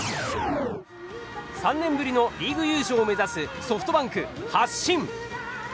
３年ぶりのリーグ優勝を目指すソフトバンク発進。